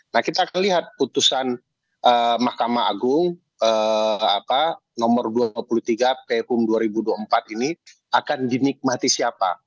nah kita akan lihat putusan mahkamah agung nomor dua puluh tiga phum dua ribu dua puluh empat ini akan dinikmati siapa